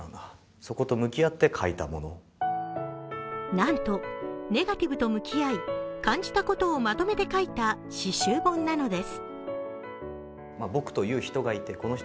なんとネガティブと向き合い感じたことをまとめて書いた詩集本なのです。